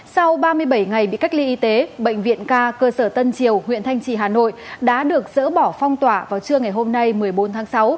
sau ba mươi bảy ngày bị cách ly y tế bệnh viện ca cơ sở tân triều huyện thanh trì hà nội đã được dỡ bỏ phong tỏa vào trưa ngày hôm nay một mươi bốn tháng sáu